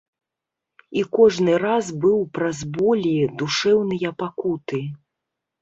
І кожны раз быў праз боль і душэўныя пакуты.